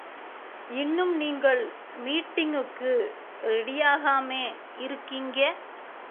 இன்னும் நீங்கள் மீட்டிங்குக்கு ரெடியாகாமே இருக்கீங்க?